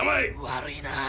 悪いな。